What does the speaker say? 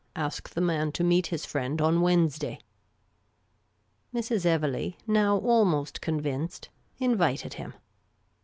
Ask the man to meet his friend on Wednesday." Mrs. Evelegh, now almost convinced, invited him.